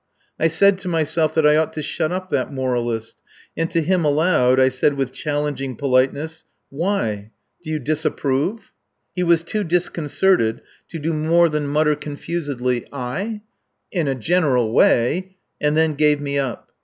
I said to myself that I ought to shut up that moralist; and to him aloud I said with challenging politeness: "Why ...? Do you disapprove?" He was too disconcerted to do more than mutter confusedly: "I! ... In a general way. .." and then gave me up.